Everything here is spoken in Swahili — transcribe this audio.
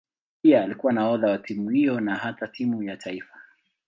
Pia alikuwa nahodha wa timu hiyo na hata wa timu ya taifa.